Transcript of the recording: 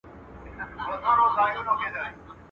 o چي نې غواړم، مې را پېښوې.